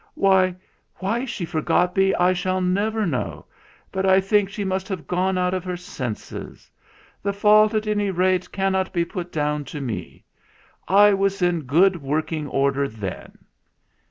Why she forgot me I shall never know, but I think she must have gone out of her senses. The fault, at any rate, cannot be put down to me. I was in good working order then